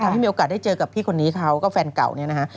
ที่มีโอกาสได้เจอกับพี่คนนี้เขาก็แฟนเก่าเนี่ยนะฮะ